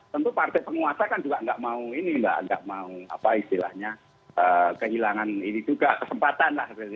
tentu partai penguasa kan juga nggak mau ini mbak nggak mau apa istilahnya kehilangan ini juga kesempatan lah